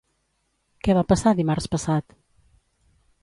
Què va passar dimarts passat?